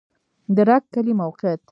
د رګ کلی موقعیت